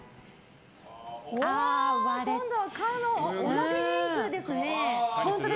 今度は同じ人数ですね。